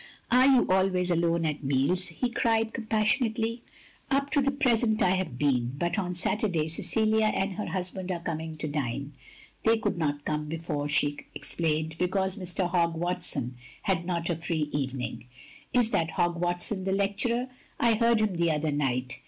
"Are you always alone at meals?" he cried, compassionately. " Up to the present I have been ; but on Satiu'day OF GROSVENOR SQUARE 207 Cecilia and her husband are coming to dine. They could not come before," she explained, "because Mr. Hogg Watson had not a free evening. " Is that Hogg Watson the lecturer? I heard him the other night.